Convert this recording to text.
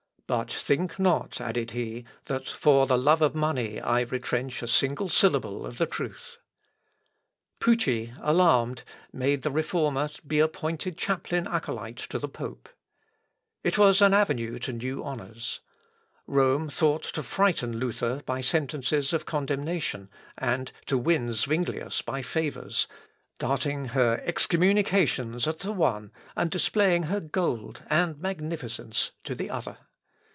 "But think not," added he, "that for the love of money I retrench a single syllable of the truth." Pucci, alarmed, made the Reformer be appointed chaplain acolyte to the pope. It was an avenue to new honours. Rome thought to frighten Luther by sentences of condemnation, and to win Zuinglius by favours darting her excommunications at the one, and displaying her gold and magnificence to the other.